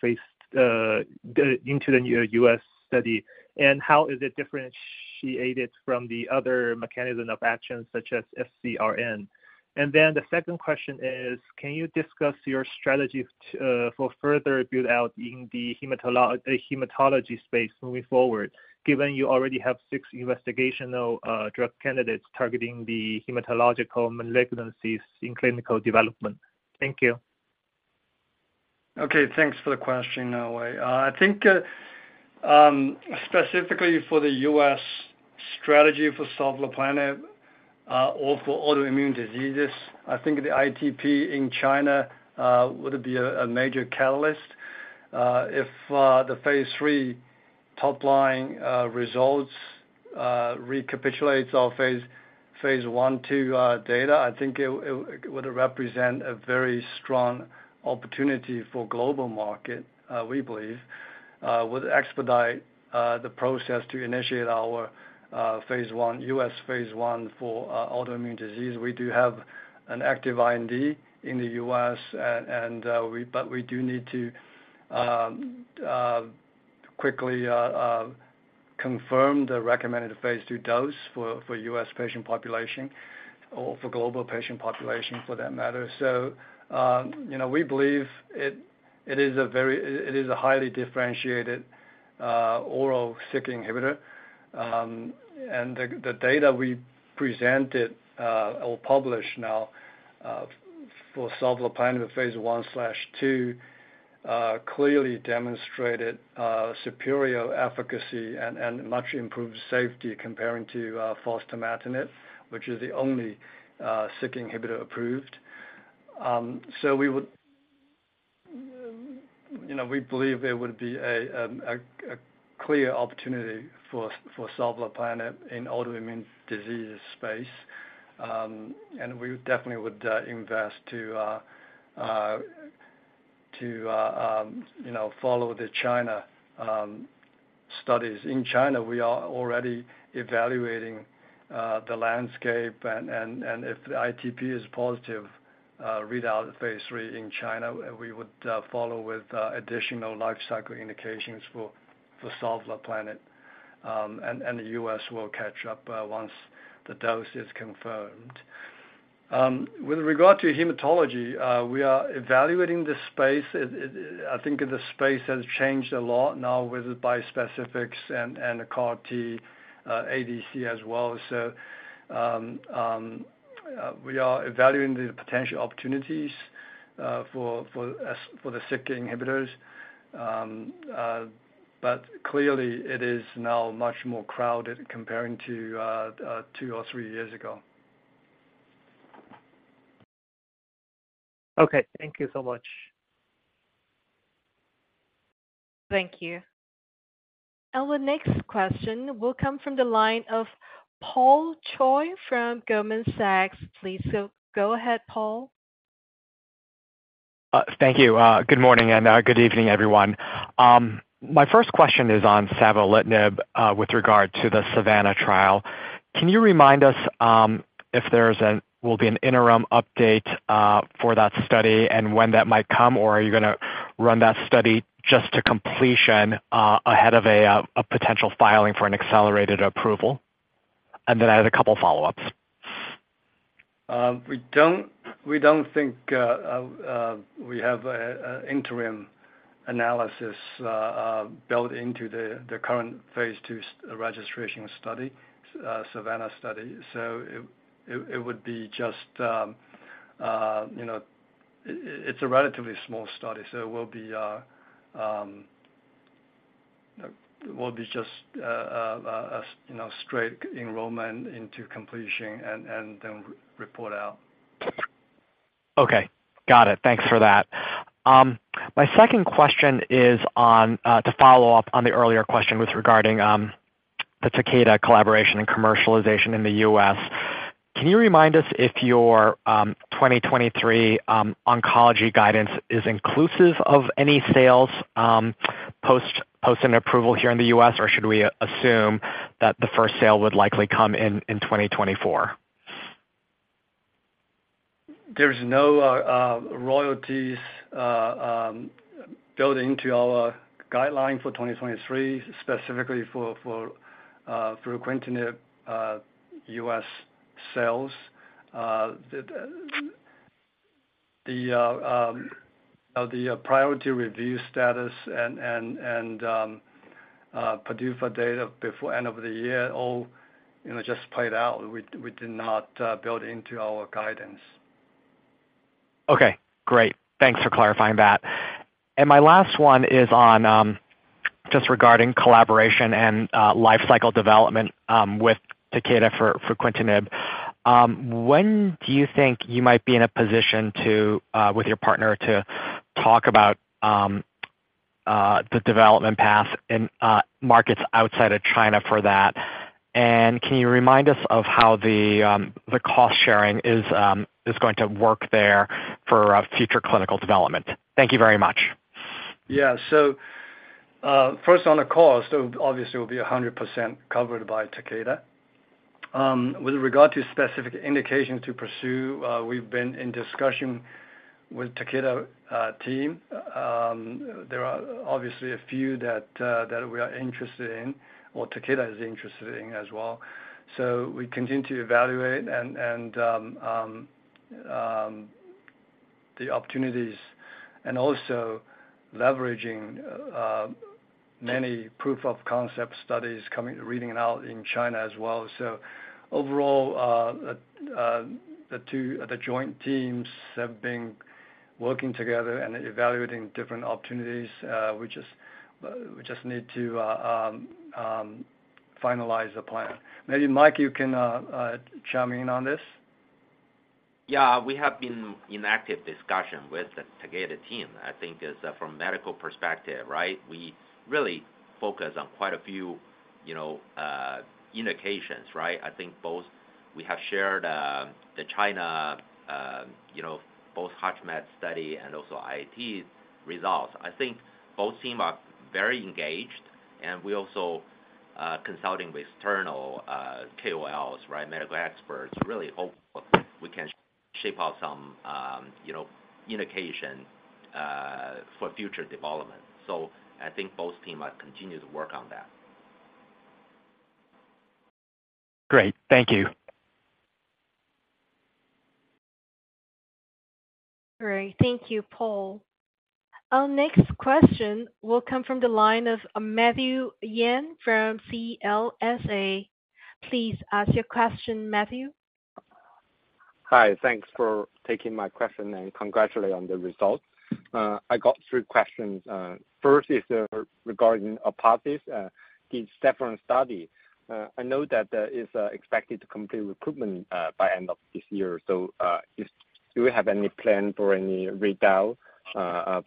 Speaker 10: the U.S. study? How is it differentiated from the other mechanism of actions, such as FcRN? The second question is, can you discuss your strategy for further build out in the hematology space moving forward, given you already have six investigational drug candidates targeting the hematological malignancies in clinical development? Thank you.
Speaker 3: Okay, thanks for the question, Wayne. I think specifically for the U.S. strategy for savolitinib, or for autoimmune diseases, I think the ITP in China would be a major catalyst. If phase III top line results recapitulates our phase, phase I, II data, I think it, it, it would represent a very strong opportunity for global market, we believe. Would expedite the process to initiate our U.S. phase I for autoimmune disease. We do have an active IND in the U.S., and but we do need to quickly confirm the recommended phase II dose for for U.S. patient population, or for global patient population, for that matter. you know, we believe it, it is a very, it, it is a highly differentiated oral Syk inhibitor. The, the data we presented or published now for sovleplenib phase I/II clearly demonstrated superior efficacy and much improved safety comparing to fostamatinib, which is the only Syk inhibitor approved. We would, you know, we believe it would be a clear opportunity for sovleplenib in autoimmune disease space. We definitely would invest to to, you know, follow the China studies. In China, we are already evaluating the landscape, and, and, and if the ITP is positive phase III in China, we would follow with additional life cycle indications for, for sovleplenib, and, and the U.S. will catch up once the dose is confirmed. With regard to hematology, I think the space has changed a lot now with the bispecifics and the CAR T, ADC as well. We are evaluating the potential opportunities for the Syk inhibitors. Clearly it is now much more crowded comparing to two or three years ago.
Speaker 10: Okay, thank you so much.
Speaker 1: Thank you. The next question will come from the line of Paul Choi from Goldman Sachs. Please go ahead, Paul.
Speaker 11: Thank you. Good morning, and good evening, everyone. My first question is on savolitinib with regard to the SAVANNAH trial. Can you remind us if there's an- will be an interim update for that study and when that might come? Are you gonna run that study just to completion ahead of a potential filing for an accelerated approval? I had a couple follow-ups.
Speaker 3: We don't, we don't think, we have a interim analysis built into the current phase II s- registration study, s- SAVANNAH study. It, it, it would be just, you know, it, it's a relatively small study, so it will be, it will be just, you know, straight enrollment into completion and, and then report out.
Speaker 11: Okay. Got it. Thanks for that. My second question is on, to follow up on the earlier question with regarding the Takeda collaboration and commercialization in the U.S. Can you remind us if your 2023 oncology guidance is inclusive of any sales, post, post an approval here in the U.S., or should we assume that the first sale would likely come in, in 2024?
Speaker 3: There's no royalties built into our guideline for 2023, specifically for for fruquintinib U.S. sales. The the priority review status and and and PDUFA date of before end of the year, all, you know, just played out. We we did not build into our guidance.
Speaker 11: Okay, great. Thanks for clarifying that. My last one is on just regarding collaboration and life cycle development with Takeda for for fruquintinib. When do you think you might be in a position to with your partner, to talk about the development path in markets outside of China for that? Can you remind us of how the cost-sharing is going to work there for future clinical development? Thank you very much.
Speaker 3: Yeah. First, on the cost, obviously it will be 100% covered by Takeda. With regard to specific indications to pursue, we've been in discussion with Takeda team. There are obviously a few that we are interested in, or Takeda is interested in as well. We continue to evaluate and, and the opportunities, and also leveraging many proof of concept studies coming, reading out in China as well. Overall, the two, the joint teams have been working together and evaluating different opportunities. We just, we just need to finalize the plan. Maybe, Mike, you can chime in on this.
Speaker 6: Yeah. We have been in active discussion with the Takeda team. I think it's from medical perspective, right? We really focus on quite a few, you know, indications, right? I think both we have shared the China, you know, both HUTCHMED study and also ITP results. I think both team are very engaged, and we also consulting with external KOLs, right, medical experts. Really hope we can shape out some, you know, indication for future development. I think both team are continue to work on that.
Speaker 11: Great. Thank you.
Speaker 1: Great. Thank you, Paul. Our next question will come from the line of Matthew Yan from CLSA. Please ask your question, Matthew.
Speaker 12: Hi. Thanks for taking my question. Congratulate on the results. I got three questions. First is regarding Orpathys, the SAFFRON study. I know that there is expected to complete recruitment by end of this year. Do you have any plan for any readout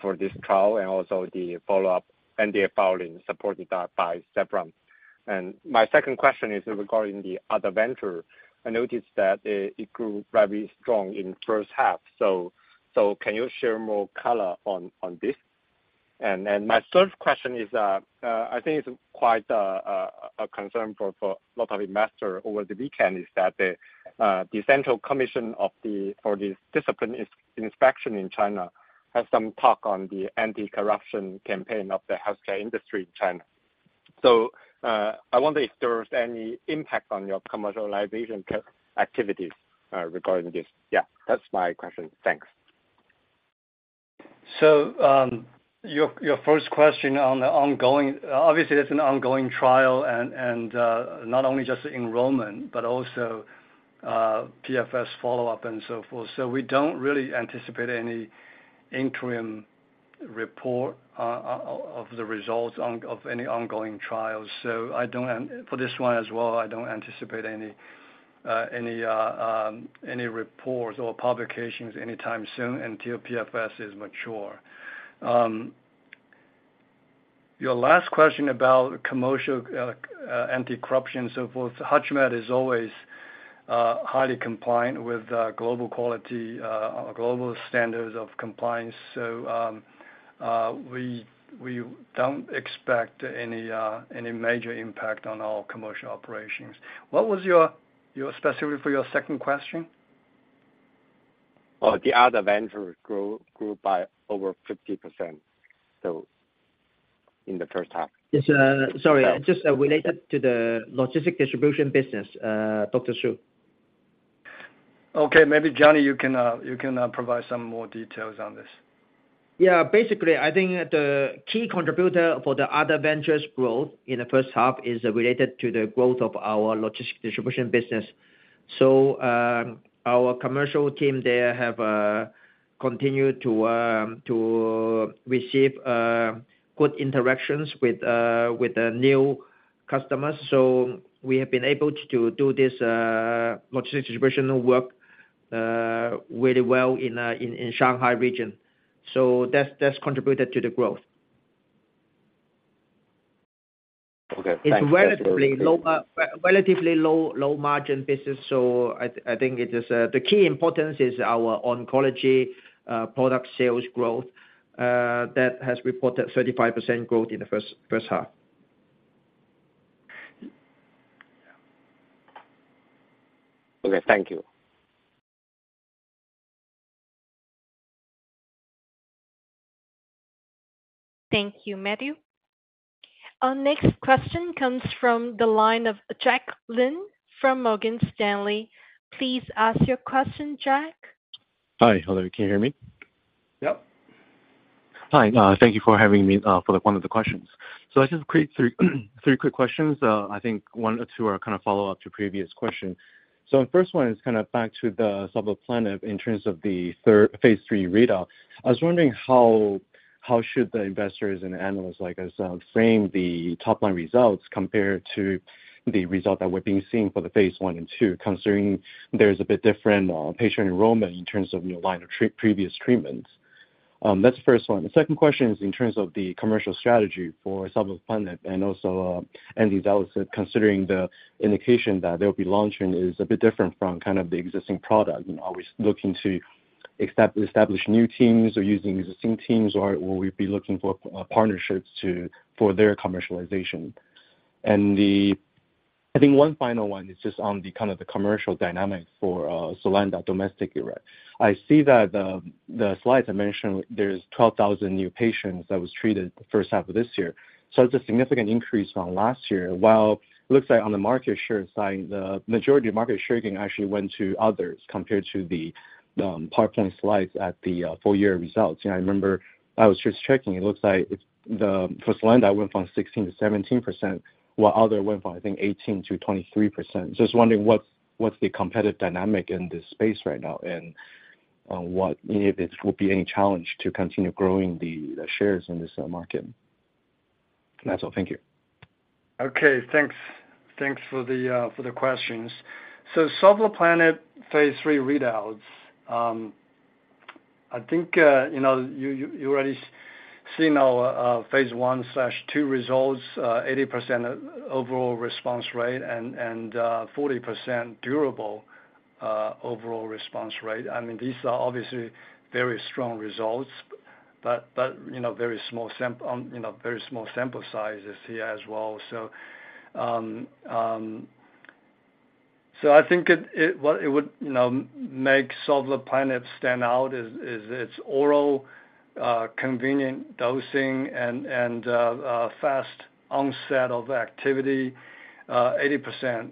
Speaker 12: for this trial and also the follow-up NDA filing supported by SAFFRON? My second question is regarding the other venture. I noticed that it grew very strong in first half. Can you share more color on this? My third question is, I think it's quite a concern for a lot of investors over the weekend, is that the Central Commission for Discipline Inspection in China had some talk on the anti-corruption campaign of the healthcare industry in China. I wonder if there was any impact on your commercialization activities regarding this? Yeah, that's my question. Thanks.
Speaker 3: So, um, your, your first question on the ongoing-- obviously, that's an ongoing trial and, and, uh, not only just the enrollment, but also, uh, PFS follow-up and so forth. So we don't really anticipate any interim report, uh, of, of the results on- of any ongoing trials. So I don't, and for this one as well, I don't anticipate any, uh, any, uh, um, any reports or publications anytime soon until PFS is mature. Um, your last question about commercial, uh, uh, anti-corruption, so forth, Hutchmed is always, uh, highly compliant with, uh, global quality, uh, global standards of compliance. So, um, uh, we, we don't expect any, uh, any major impact on our commercial operations. What was your, your specific for your second question?
Speaker 12: Oh, the other venture grew, grew by over 50%, so in the first half. It's, sorry, just related to the logistic distribution business, Dr. Su.
Speaker 3: Okay, maybe Johnny, you can, you can, provide some more details on this.
Speaker 4: Yeah, basically, I think the key contributor for the other ventures growth in the first half is related to the growth of our logistic distribution business. Our commercial team there have continued to receive good interactions with the new customers. We have been able to to do this logistic distribution work really well in Shanghai region. That's, that's contributed to the growth.
Speaker 12: Okay, thanks.
Speaker 4: It's relatively low, relatively low, low-margin business, so I, I think it is the key importance is our oncology product sales growth that has reported 35% growth in the first half.
Speaker 12: Okay, thank you.
Speaker 1: Thank you, Matthew. Our next question comes from the line of Jack Lin, from Morgan Stanley. Please ask your question, Jack.
Speaker 13: Hi. Hello, can you hear me?
Speaker 3: Yep.
Speaker 13: Hi, thank you for having me for the one of the questions. I just have three quick questions. I think one or two are kind of follow up to previous question. The first one is kind of back to the sovleplenib in terms of phase III readout. I was wondering how, how should the investors and analysts like us frame the top-line results compared to the result that we're being seen for the phase I and II, considering there's a bit different patient enrollment in terms of new line of previous treatments? That's the first one. The second question is in terms of the commercial strategy for sovleplenib, and also, and that was considering the indication that they'll be launching is a bit different from kind of the existing product. Are we looking to establish new teams or using existing teams, or will we be looking for partnerships to, for their commercialization? I think one final one is just on the kind of the commercial dynamic for Sulanda domestically, right? I see that the, the slides I mentioned, there's 12,000 new patients that was treated the first half of this year. It's a significant increase from last year, while it looks like on the market share side, the majority of market sharing actually went to others, compared to the PowerPoint slides at the full year results. You know, I remember I was just checking, it looks like it's, the first line that went from 16%-17%, while other went from, I think, 18%-23%. Just wondering what's, what's the competitive dynamic in this space right now? What, if it will be any challenge to continue growing the, the shares in this, market. That's all. Thank you.
Speaker 3: Okay, thanks. Thanks for the questions. phase III readouts. I think, you know, you, you, you already seen our phase I/II results, 80% overall response rate and, and 40% durable overall response rate. I mean, these are obviously very strong results, but, but, you know, very small sample sizes here as well. I think it, it, what it would, you know, make sovleplenib stand out is, is its oral, convenient dosing and, and a fast onset of activity. 80%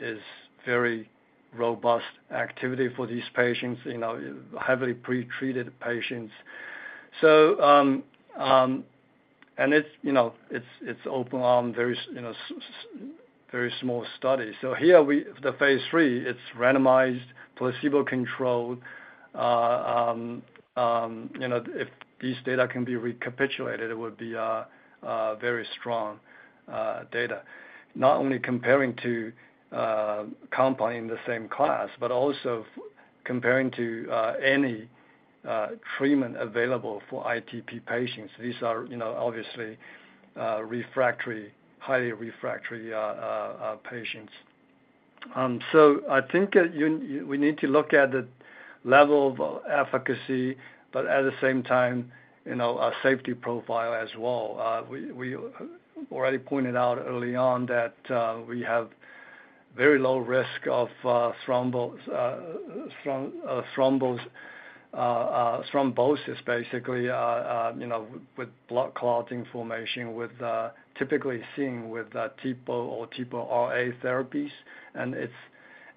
Speaker 3: is very robust activity for these patients, you know, heavily pre-treated patients. And it's, you know, it's, it's open arm very, you know, very small study. Here we, phase III, it's randomized, placebo-controlled, you know, if these data can be recapitulated, it would be a very strong data. Not only comparing to company in the same class, but also comparing to any treatment available for ITP patients. These are, you know, obviously, refractory, highly refractory patients. I think that you, we need to look at the level of efficacy, but at the same time, you know, a safety profile as well. We, we already pointed out early on that we have very low risk of thrombus, thrombosis, basically, you know, with blood clotting formation, with typically seen with TPO or TPO-RA therapies. It's, it, it's,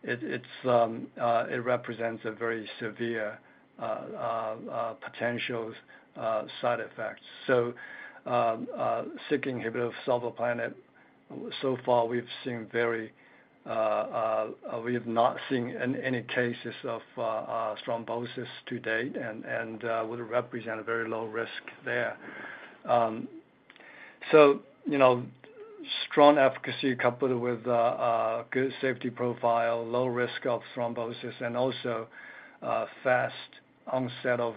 Speaker 3: it represents a very severe potential side effects. Syk inhibitor, sovleplenib, so far, we've seen we have not seen any cases of thrombosis to date and would represent a very low risk there. you know, strong efficacy coupled with good safety profile, low risk of thrombosis, and also fast onset of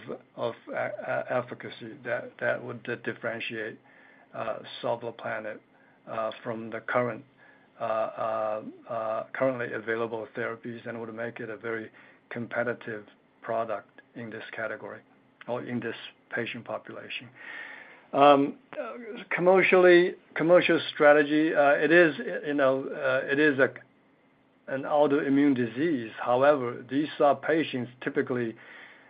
Speaker 3: efficacy that would differentiate sovleplenib from the current currently available therapies and would make it a very competitive product in this category or in this patient population. Commercially, commercial strategy, it is, you know, it is an autoimmune disease. However, these are patients typically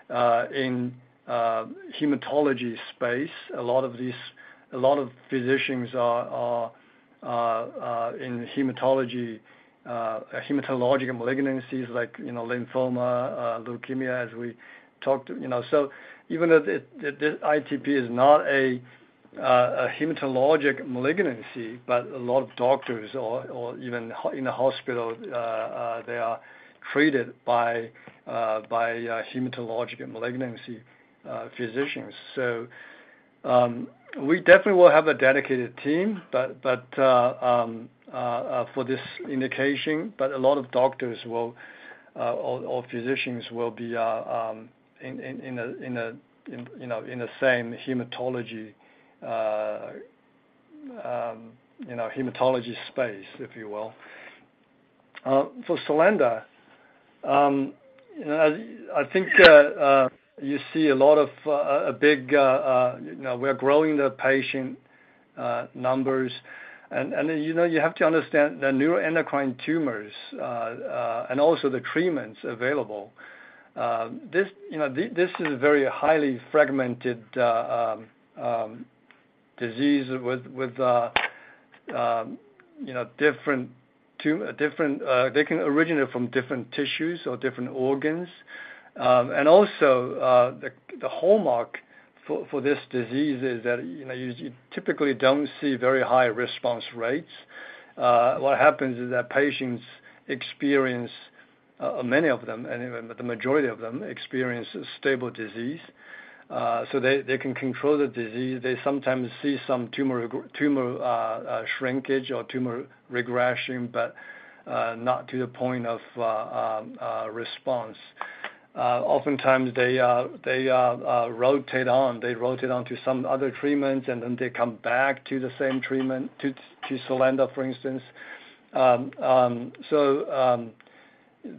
Speaker 3: in hematology space. A lot of physicians are in hematology, hematologic malignancies, like, you know, lymphoma, leukemia, as we talked, you know. Even though the, the ITP is not a hematologic malignancy, but a lot of doctors or, or even in the hospital, they are treated by hematologic malignancy physicians. We definitely will have a dedicated team, but, but for this indication, but a lot of doctors will, or physicians will be in, in, in a, in a, in, you know, in the same hematology, you know, hematology space, if you will. For Sulanda, you know, I, I think, you see a lot of a big, you know, we're growing the patient numbers. You know, you have to understand that neuroendocrine tumors and also the treatments available, this, you know, this is a very highly fragmented disease with, with, you know, different different, they can originate from different tissues or different organs. And also, the hallmark for this disease is that, you know, you typically don't see very high response rates. What happens is that patients experience many of them, and even the majority of them, experience a stable disease. So they can control the disease. They sometimes see some tumor tumor shrinkage or tumor regression, but not to the point of response. Oftentimes they, they, rotate on, they rotate on to some other treatments, and then they come back to the same treatment, to Sulanda, for instance. There,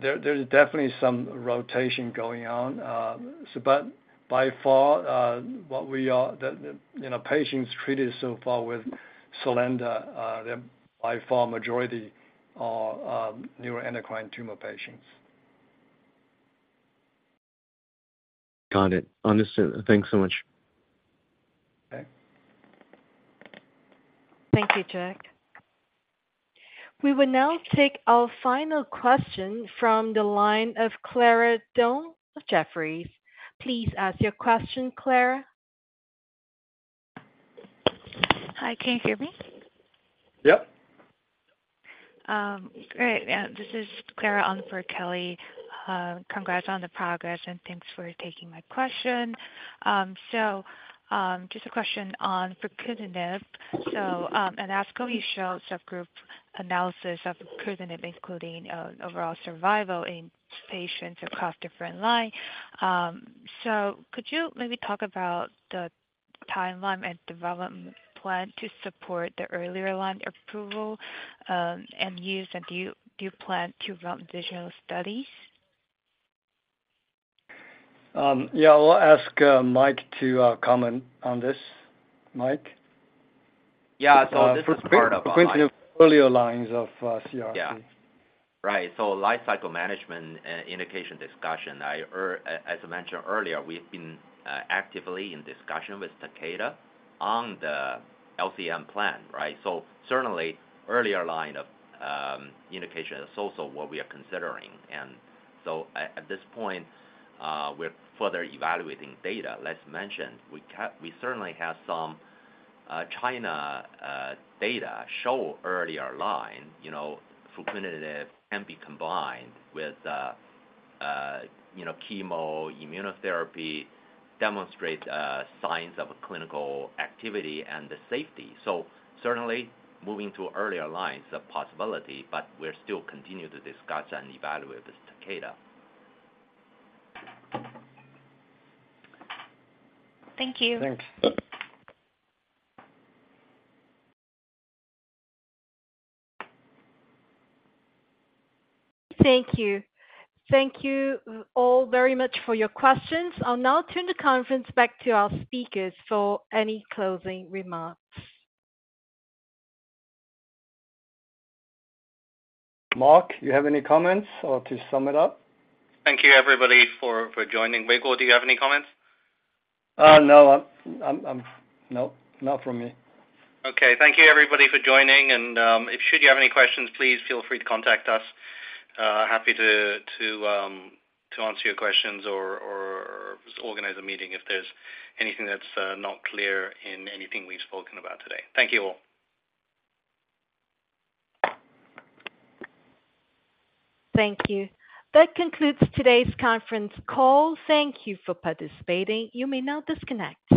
Speaker 3: there's definitely some rotation going on. By far, you know, patients treated so far with Sulanda, they're by far majority are, neuroendocrine tumor patients.
Speaker 13: Got it. Understood. Thanks so much.
Speaker 3: Okay.
Speaker 1: Thank you, Jack. We will now take our final question from the line of Clara Dong of Jefferies. Please ask your question, Clara.
Speaker 14: Hi, can you hear me?
Speaker 3: Yep.
Speaker 14: Great. Yeah, this is Clara on for Kelly. Congrats on the progress, and thanks for taking my question. Just a question on fruquintinib. ASCO, you showed subgroup analysis of fruquintinib, including overall survival in patients across different line. Could you maybe talk about the timeline and development plan to support the earlier line approval and use, and do you, do you plan to run additional studies?
Speaker 3: Yeah, I'll ask Mike to comment on this. Mike?
Speaker 6: Yeah, this is part of-
Speaker 3: Earlier lines of CRC.
Speaker 6: Right. Lifecycle management and indication discussion, as I mentioned earlier, we've been actively in discussion with Takeda on the LCM plan, right? Certainly, earlier line of indication is also what we are considering. At, at this point, we're further evaluating data. Let's mention, we certainly have some China data show earlier line, you know, fruquintinib can be combined with, you know, chemo, immunotherapy, demonstrate signs of clinical activity and the safety. Certainly, moving to earlier lines is a possibility, but we're still continue to discuss and evaluate with Takeda.
Speaker 14: Thank you.
Speaker 6: Thanks.
Speaker 1: Thank you. Thank you all very much for your questions. I'll now turn the conference back to our speakers for any closing remarks.
Speaker 3: Mark, you have any comments or to sum it up?
Speaker 2: Thank you, everybody, for, for joining. Weiguo, do you have any comments?
Speaker 3: No, I'm... No, not from me.
Speaker 2: Okay. Thank you, everybody, for joining, and, if should you have any questions, please feel free to contact us. Happy to, to, to answer your questions or, or, or just organize a meeting if there's anything that's not clear in anything we've spoken about today. Thank you all.
Speaker 1: Thank you. That concludes today's conference call. Thank you for participating. You may now disconnect.